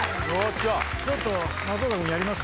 ちょっと松岡君やります？